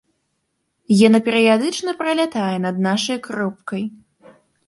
Яна перыядычна пралятае над нашай кропкай.